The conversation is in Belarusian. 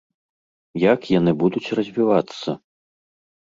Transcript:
Як яны будуць развівацца?